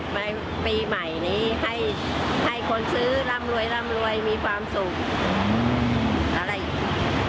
ในปีใหม่นี้ให้คนซื้อร่ำรวยร่ำรวยมีความสุข